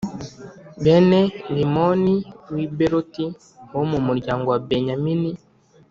bene Rimoni w’i Bēroti wo mu muryango wa Benyamini.